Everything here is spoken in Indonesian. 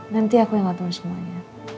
nanti aku yang otori semuanya